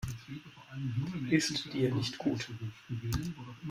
Ist dir nicht gut?